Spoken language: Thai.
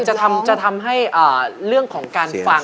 จะทำให้เรื่องของการฟัง